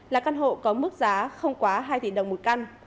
là căn hộ có mức giá không khóa